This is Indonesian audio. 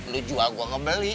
lo jual gue ngebeli